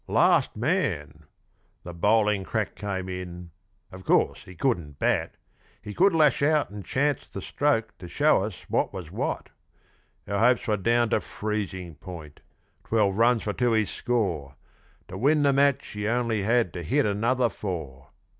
Last man! The bowling crack came in of course he couldn't bat, He could lash out and chance the stroke to show us what was what; Our hopes were down to freezing point, twelve runs were to his score, To win the match he only had to hit another four.